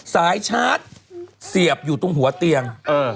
สายชาร์จเสียบอยู่ตรงหัวเตียง